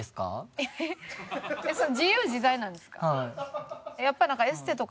自由自在なんですか？